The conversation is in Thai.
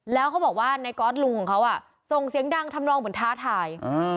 แล้วเขาบอกว่าในก๊อตลุงของเขาส่งเสียงดังทำนองเหมือนท้าทาย